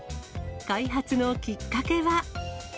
開発のきっかけは。